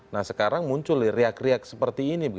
nah sekarang muncul nih riak riak seperti ini